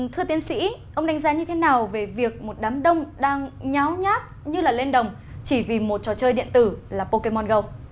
thưa tiến sĩ ông đánh giá như thế nào về việc một đám đông đang nháo nhát như là lên đồng chỉ vì một trò chơi điện tử là pokemongo